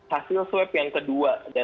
hasil swab yang kedua